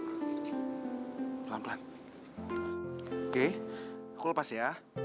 oke aku lepas ya